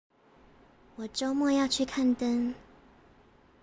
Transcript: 我週末要去看燈